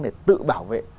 để tự bảo vệ